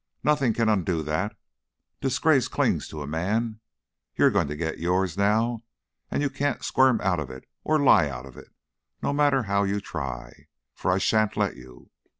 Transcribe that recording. Nothing can undo that. Disgrace clings to a man. You're going to get yours, now, and you can't squirm out of it, or lie out of it, no matter how you try, for I sha'n't let you.